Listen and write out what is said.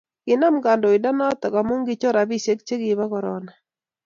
Konam kandoindet noto amu kochor rabisiek cha kibo korona